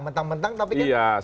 mentang mentang tapi kan